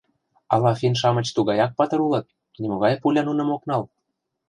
Ала финн-шамыч тугаяк патыр улыт — нимогай пуля нуным ок нал?»